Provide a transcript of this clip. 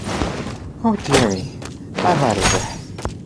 Oh, dear me, I'm out of breath.